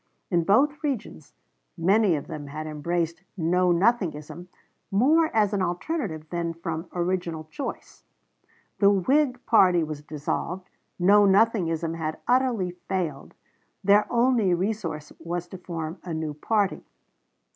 In both regions many of them had embraced Know Nothingism, more as an alternative than from original choice. The Whig party was dissolved; Know Nothingism had utterly failed their only resource was to form a new party.